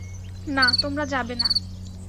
না, তোমরা যাবে না।